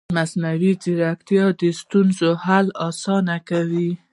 مصنوعي ځیرکتیا د ستونزو حل اسانه کوي.